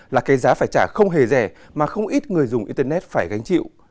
là cái giá phải trả không hề rẻ mà không ít người dùng internet phải gánh chịu